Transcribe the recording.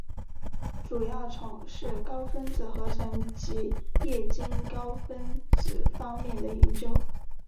主要从事高分子合成及液晶高分子方面的研究。